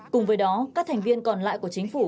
cùng với đó các thành viên còn lại của chính phủ